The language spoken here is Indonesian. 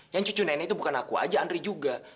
yang cucu nenek itu bukan aku aja andri juga